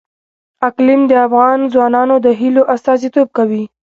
اقلیم د افغان ځوانانو د هیلو استازیتوب کوي.